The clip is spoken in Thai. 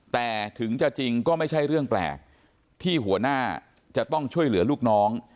แต่ถึงจะจริงก็ไม่ใช่เรื่องแปลกที่หัวหน้าจะต้องช่วยเหลือลูกน้อง